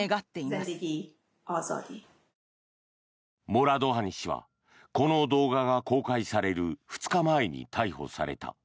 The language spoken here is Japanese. モラドハニ氏はこの動画が公開される２日前に逮捕された。